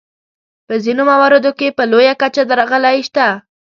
په ځینو مواردو کې په لویه کچه درغلۍ شته.